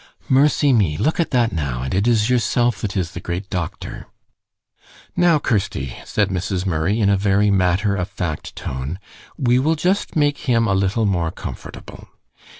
"Mercy me! Look at that now; and it is yourself that is the great doctor!" "Now, Kirsty," said Mrs. Murray, in a very matter of fact tone, "we will just make him a little more comfortable."